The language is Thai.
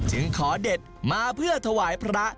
ขอเด็ดมาเพื่อถวายพระ